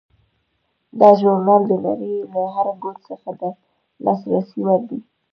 دا ژورنال د نړۍ له هر ګوټ څخه د لاسرسي وړ دی.